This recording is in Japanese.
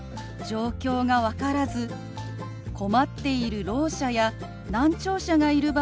状況が分からず困っているろう者や難聴者がいる場合